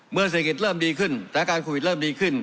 เศรษฐกิจเริ่มดีขึ้นสถานการณ์โควิดเริ่มดีขึ้น